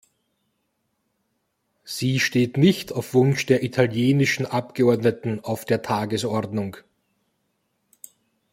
Sie steht nicht auf Wunsch der italienischen Abgeordneten auf der Tagesordnung.